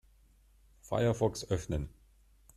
Firefox öffnen.